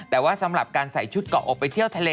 ตอนแทบนรับการใส่ชุดกล่ออบไปเที่ยวทะเล